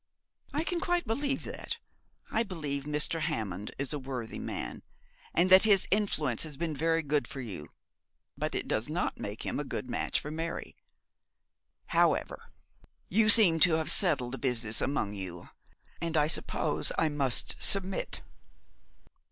'I can quite believe that. I believe Mr. Hammond is a worthy man, and that his influence has been very good for you; but that does not make him a good match for Mary. However, you seem to have settled the business among you, and I suppose I must submit.